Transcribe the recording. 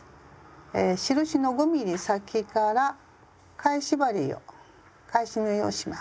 印の５ｍｍ先から返し針を返し縫いをします。